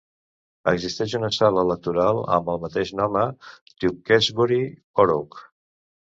Existeix una sala electoral amb el mateix nom a Tewkesbury Borough.